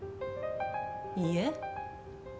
いいえ。